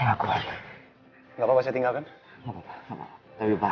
ia hari ke depan semua obviously